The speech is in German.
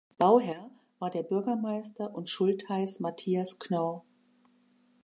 Bauherr war der Bürgermeister und Schultheiß Matthias Knorr.